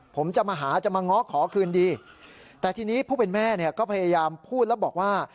ผมจะมาหาจะมาง้อขอคืนดีแต่ทีนี้ผู้เป็นแม่เนี่ยก็พยายามพูดแล้วบอกว่า